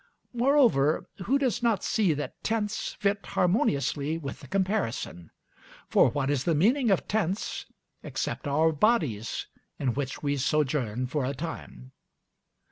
Moreover, who does not see that "tents" fit harmoniously with the comparison? For what is the meaning of "tents" except our bodies, in which we sojourn for a time?